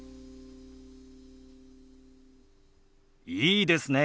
いいですね。